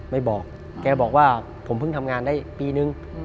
ไม่บอกแกบอกว่าผมเพิ่งทำงานได้ปีนึง